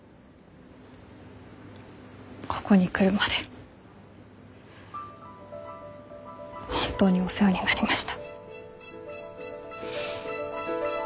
ここに来るまで本当にお世話になりました。